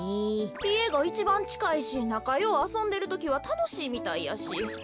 いえがいちばんちかいしなかようあそんでるときはたのしいみたいやし。